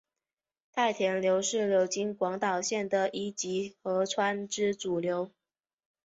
太田川是流经广岛县的一级河川之主流。